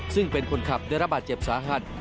ซึ่งเป็นคนขับได้รับบาดเจ็บสาหัส